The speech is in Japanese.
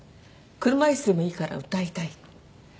車椅子でもいいから歌いたい。